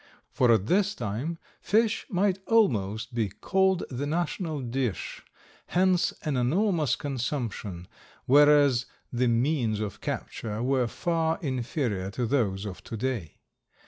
For at this time fish might almost be called the national dish, hence an enormous consumption, whereas the means of capture were far inferior to those of to day.